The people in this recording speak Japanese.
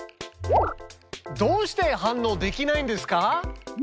どうして反応できないんですか？